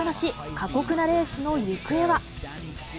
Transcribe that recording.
過酷なレースの行方は？